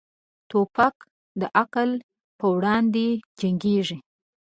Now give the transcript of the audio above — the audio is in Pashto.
توپک د عقل پر وړاندې جنګيږي.